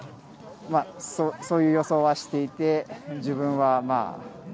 そういう予想はしていて、自分は。